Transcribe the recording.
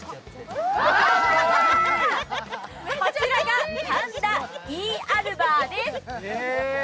こちらがパンダイーアルバーです。